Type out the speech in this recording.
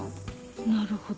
なるほど。